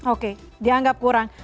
oke dianggap kurang